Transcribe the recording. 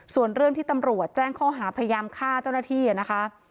ส่วนเรื่องที่ตำรวจแจ้งข้อหาพยายามฆ่าเจ้าหน้าที่นะคะ